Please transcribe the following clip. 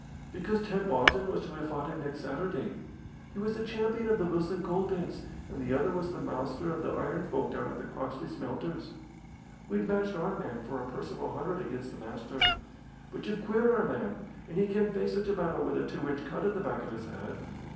"Because Ted Barton was to have fought him next Saturday. He was the champion of the Wilson coal pits, and the other was the Master of the iron folk down at the Croxley smelters. We'd matched our man for a purse of a hundred against the Master. But you've queered our man, and he can't face such a battle with a two inch cut at the back of his head.